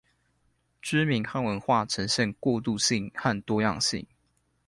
居民和文化呈現過渡性和多樣性